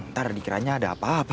ntar dikiranya ada apa apa